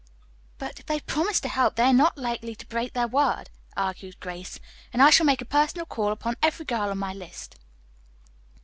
"But if they promise to help they are not likely to break their word," argued Grace, "and I shall make a personal call upon every girl on my list."